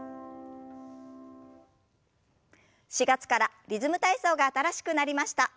４月からリズム体操が新しくなりました。